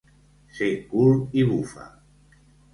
Ser cul i bufa.